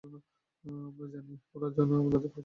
আমরা জানি উড়ানের জন্য আপনাদের হাতে প্রচুর বিকল্প রয়েছে।